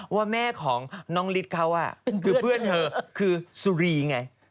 ว่าแม่ของน้องฤทธิ์เขาคือเพื่อนเธอคือสุรีไง